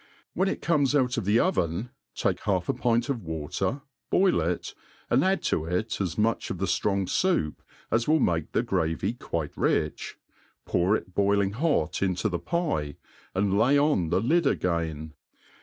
When it comes out of the oven, take half a pint of water,' boil it, and add to it as much of the ftrong foup as will make the gravy quite rich, pour it boiling hot into the pie, and lay on the lid again.